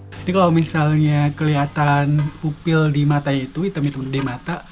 jadi kalau misalnya kelihatan pupil di matanya itu hitam hitam di mata